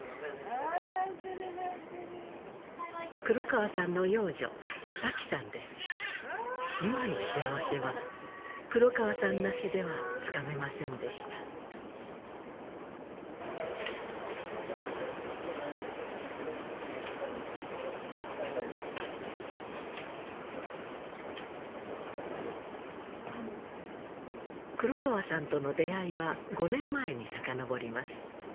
・ああ泣いてる泣いてる黒川さんの今の幸せは黒川さんなしではつかめませんでした黒川さんとの出会いは５年前にさかのぼります